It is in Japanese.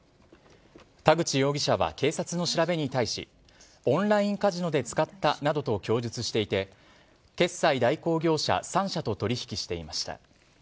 田口容疑者は警察の調べに対し、オンラインカジノで使ったなどと供述していて、決済代行業者３社と取り引きしていました。